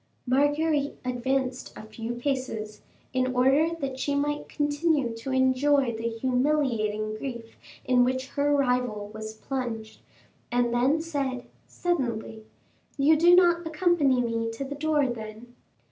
Marguerite advanced a few paces, in order that she might continue to enjoy the humiliating grief in which her rival was plunged, and then said, suddenly, "You do not accompany me to the door, then?"